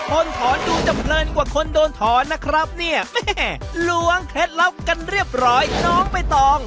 คนถอนดูจะเพลินกว่าคนโดนถอนนะครับหลวงเคล็ดล่อกันเรียบร้อยน้องไม่ตอง